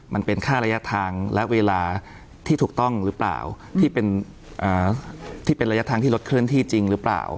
มันเป็นค่าระยะทางและเวลาที่ถูกต้องหรือเปล่าที่เป็นที่เป็นระยะทางที่รถเคลื่อนที่จริงหรือเปล่า